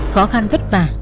khó khăn vất vả